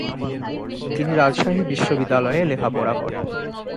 তিনি রাজশাহী বিশ্ববিদ্যালয়ে লেখাপড়া করেন।